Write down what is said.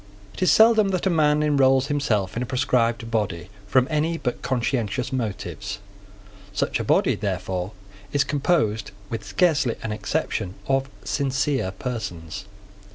It is seldom that a man enrolls himself in a proscribed body from any but conscientious motives. Such a body, therefore, is composed, with scarcely an exception, of sincere persons.